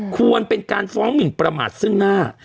ควรเป็นการฟ้องหมินประมาทซึ่งหน้า